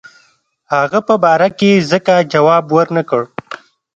هغه په باره کې ځکه جواب ورنه کړ.